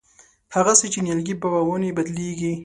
هغسې چې نیالګی په ونې بدلېږي.